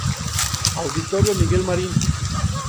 Auditorio "Miguel Marín".